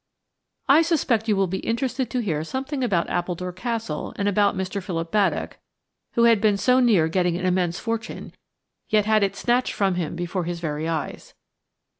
5 I SUSPECT you will be interested to hear something about Appledore Castle and about Mr. Philip Baddock, who had been so near getting an immense fortune, yet had it snatched from him before his very eyes.